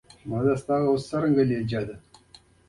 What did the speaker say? دا د تولید له زیاتوالي سره مرسته ونه کړه